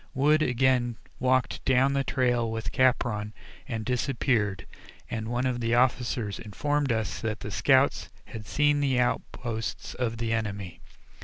Wood again walked down the trail with Capron and disappeared, and one of the officers informed us that the scouts had seen the outposts of the enemy.